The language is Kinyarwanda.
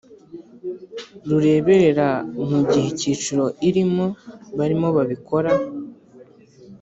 rureberera mu gihe icyiciro irimo barimo babikora